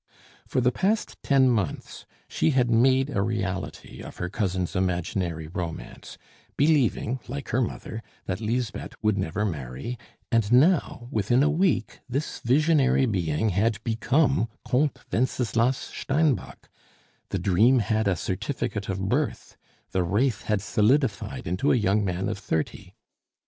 For the past ten months she had made a reality of her cousin's imaginary romance, believing, like her mother, that Lisbeth would never marry; and now, within a week, this visionary being had become Comte Wenceslas Steinbock, the dream had a certificate of birth, the wraith had solidified into a young man of thirty.